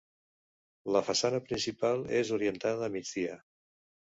La façana principal és orientada a migdia.